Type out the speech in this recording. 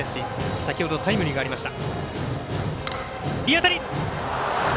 先ほどタイムリーがありました。